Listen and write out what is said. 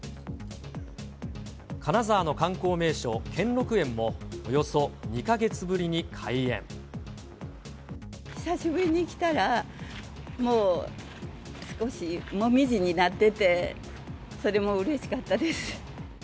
金沢の観光名所、久しぶりに来たら、もう、少しもみじになってて、それもうれしかったです。